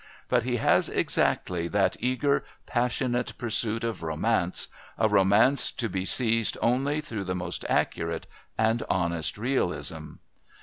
But he has exactly that eager, passionate pursuit of romance, a romance to be seized only through the most accurate and honest realism.